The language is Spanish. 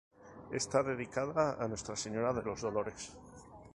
Está dedicada a Nuestra Señora de los Dolores.